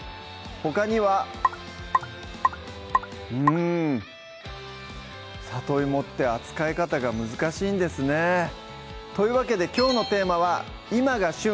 ほかにはうん里芋って扱い方が難しいんですねというわけできょうのテーマは「今が旬！